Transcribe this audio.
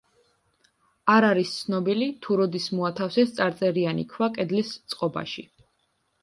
არ არის ცნობილი, თუ როდის მოათავსეს წარწერიანი ქვა კედლის წყობაში.